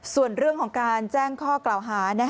ส่วนเรื่องของการแจ้งข้อกล่าวหา